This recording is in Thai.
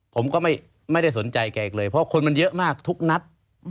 ผมก็ไม่ได้สนใจแกอีกเลยเพราะคนมันเยอะมากทุกนัด